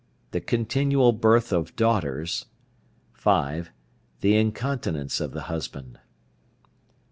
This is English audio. The continual birth of daughters. (5). The incontinence of the husband.